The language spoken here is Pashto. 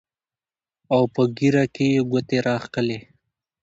او پۀ ږيره کښې يې ګوتې راښکلې